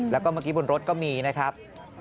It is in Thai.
แล้วก็เมื่อกี้บนรถก็มีนะครับ